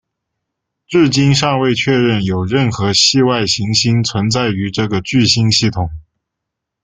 至今尚未确认有任何系外行星存在于这个聚星系统。